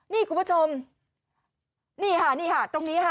นี่คุณผู้ชมนี่ค่ะนี่ค่ะตรงนี้ค่ะ